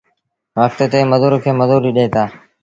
وکت تي مزور کي مزوريٚ ڏئيٚتآ۔